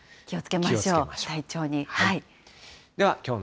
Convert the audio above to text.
気をつけましょう。